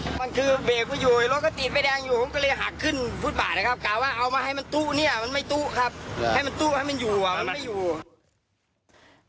มันคือเบรกไม่อยู่รถก็ติดไม่แดงอยู่ผมก็เลยหักขึ้นฟุตบาทนะครับกล่าวว่าเอามาให้มันตู้เนี่ยมันไม่ตู้ครับให้มันตู้ให้มันอยู่อ่ะมันไม่อยู่